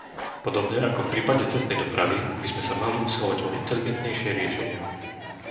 Podobne ako v prípade cestnej dopravy by sme sa mali usilovať o inteligentnejšie riešenia.